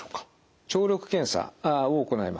聴力検査を行います。